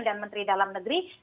dan menteri dalam negeri